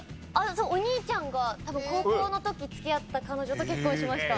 お兄ちゃんが多分高校の時付き合った彼女と結婚しました。